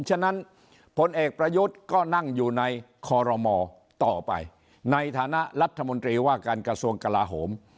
ฉะนั้นพลเอกประยุทธ์ก็นั่งอยู่ในคอรมอต่อไปในฐานะรัฐมนตรีว่าการกระทรวงกลาโหม